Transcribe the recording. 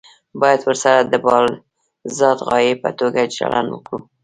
باید ورسره د بالذات غایې په توګه چلند وکړو.